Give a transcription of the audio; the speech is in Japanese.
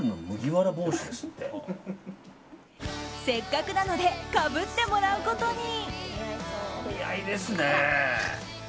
せっかくなのでかぶってもらうことに。